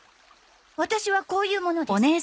ワタシはこういう者です。